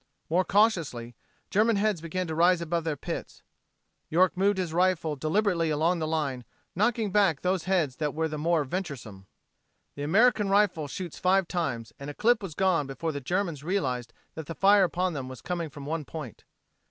More cautiously, German heads began to rise above their pits. York moved his rifle deliberately along the line knocking back those heads that were the more venturesome. The American rifle shoots five times, and a clip was gone before the Germans realized that the fire upon them was coming from one point.